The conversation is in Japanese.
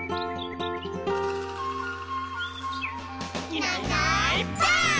「いないいないばあっ！」